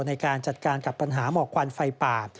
ในการจัดการกับปัญหาหมอกควันไฟป่า